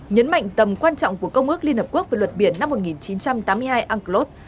nhấn mạnh tầm quan trọng của công ước liên hợp quốc về luật biển năm một nghìn chín trăm tám mươi hai unclos